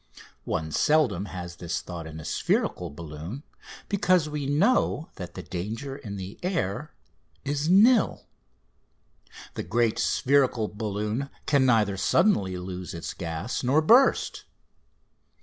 One seldom has this thought in a spherical balloon, because we know that the danger in the air is nil: the great spherical balloon can neither suddenly lose its gas nor burst.